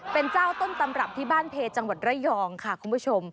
เป็นเจ้าต้นตำรับที่บ้านเพจังหวัดระยองค่ะคุณผู้ชม